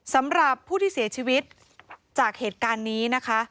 สำหรับผู้ที่เสียชีวิตจากเหตุการณ์นี้นะคะ